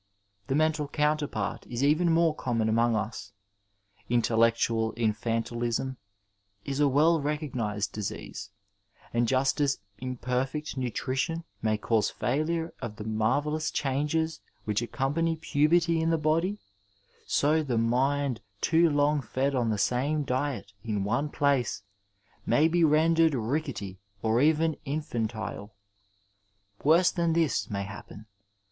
The mental counterpart is even more conmion among us. Intellectual infantilism is a well recognized disease, and just as imperfect nutrition may cause failure of the marvellous changes which accompany puberty in the body, so the mind too long fed on the same diet in one place may be rendered rickety or even infantile. Worse than this may happen.